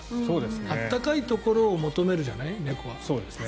温かいところを求めるじゃない猫は。